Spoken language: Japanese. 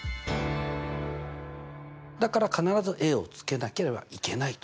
だから必ずをつけなければいけないと。